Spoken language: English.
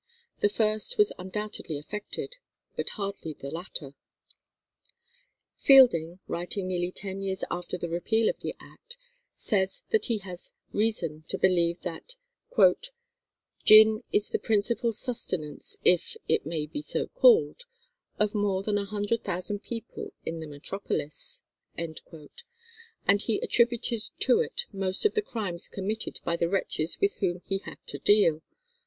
The first was undoubtedly affected, but hardly the latter. Fielding, writing nearly ten years after the repeal of the act, says that he has reason to believe that "gin is the principal sustenance (if it may be so called) of more than a hundred thousand people in the metropolis," and he attributed to it most of the crimes committed by the wretches with whom he had to deal.